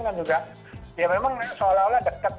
ya memang seolah olah dekat